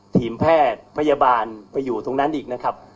ทีมแพทย์พยาบาลไปอยู่ตรงนั้นอีกนะครับ